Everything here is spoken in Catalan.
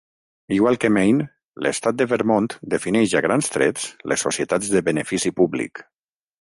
Igual que Maine, l'estat de Vermont defineix a grans trets les societats de benefici públic.